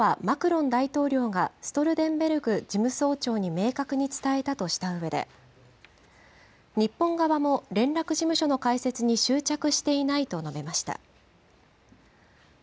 そして、このことはマクロン大統領がストルテンベルグ事務総長に明確に伝えたとしたうえで、日本側も連絡事務所の開設に執着していないと述べました。